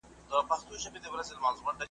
کشر ورور ویل چي زه جوړوم خونه ,